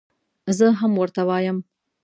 زه هم ورته وایم.